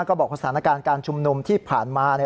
บอกว่าสถานการณ์การชุมนุมที่ผ่านมา